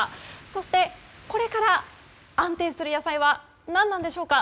そして、これから安定する野菜は何なんでしょうか。